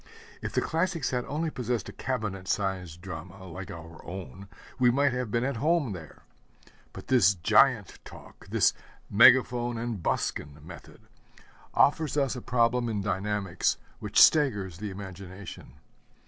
If the classics had only possessed a cabinet sized drama, like our own, we might have been at home there. But this giant talk, this megaphone and buskin method, offers us a problem in dynamics which staggers the imagination.